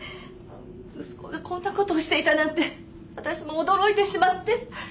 息子がこんなことをしていたなんて私も驚いてしまって。